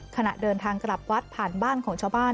ขณะเดินทางกลับวัดผ่านบ้านของชาวบ้าน